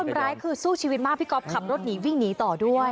คนร้ายคือสู้ชีวิตมากพี่ก๊อฟขับรถหนีวิ่งหนีต่อด้วย